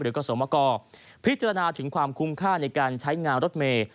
กสมกรพิจารณาถึงความคุ้มค่าในการใช้งานรถเมย์